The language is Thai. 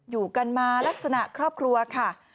อยู่กันมาลักษณะครอบครัวค่ะ